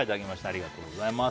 ありがとうございます。